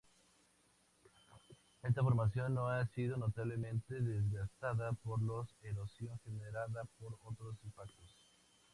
Esta formación no ha sido notablemente desgastada por la erosión generada por otros impactos.